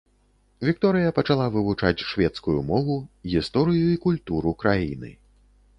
Вікторыя пачала вывучаць шведскую мову, гісторыю і культуру краіны.